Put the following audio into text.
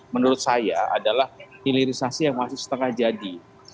menurut saya adalah hilirisasi yang masih setengah jadi